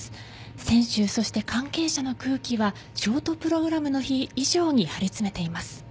選手、そして関係者の空気はショートプログラムの日以上に張り詰めています。